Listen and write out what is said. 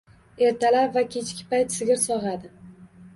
Ertalab va kechki payt sigir sog`adi